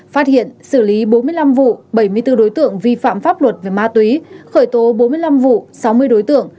phát hiện xử lý bốn mươi năm vụ bảy mươi bốn đối tượng vi phạm pháp luật về ma túy khởi tố bốn mươi năm vụ sáu mươi đối tượng